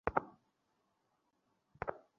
লন্ডনে ফুলকপির পরোটা পাওয়া যায়?